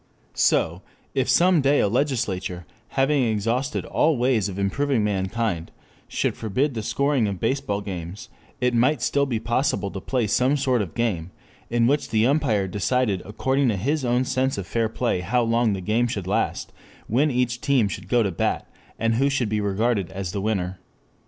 So, if some day a legislature, having exhausted all other ways of improving mankind, should forbid the scoring of baseball games, it might still be possible to play some sort of game in which the umpire decided according to his own sense of fair play how long the game should last, when each team should go to bat, and who should be regarded as the winner.